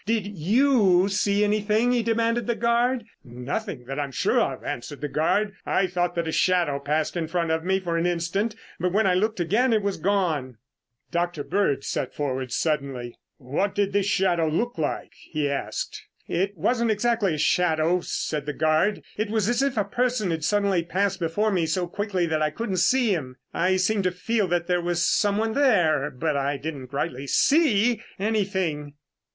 Did you see anything?" he demanded of the guard. "Nothing that I am sure of," answered the guard. "I thought that a shadow passed in front of me for an instant, but when I looked again, it was gone." Dr. Bird sat forward suddenly. "What did this shadow look like?" he asked. "It wasn't exactly a shadow," said the guard. "It was as if a person had passed suddenly before me so quickly that I couldn't see him. I seemed to feel that there was someone there, but I didn't rightly see anything."